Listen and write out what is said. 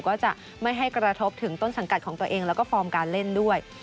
ก็จะไม่ให้กระทบถึงต้นสังกัดของตัวเองแล้วก็ฟอร์มการเล่นด้วย